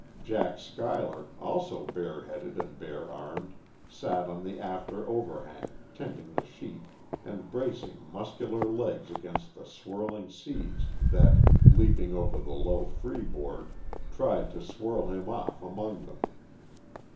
Jack Schuyler, also bare headed and bare armed, sat on the after overhang, tending the sheet, and bracing muscular legs against the swirling seas that, leaping over the low freeboard, tried to swirl him off among them.